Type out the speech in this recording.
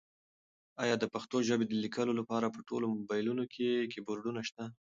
ایا د پښتو ژبې د لیکلو لپاره په ټولو مبایلونو کې کیبورډونه شته؟